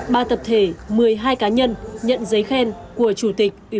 ba tập thể mười hai cá nhân nhận giấy khen của chủ tịch ubnd thị xã